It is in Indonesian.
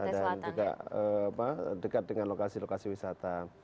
dan juga dekat dengan lokasi lokasi wisata